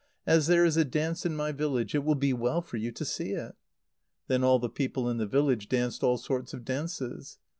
as there is a dance in my village, it will be well for you to see it." Then all the people in the village danced all sorts of dances.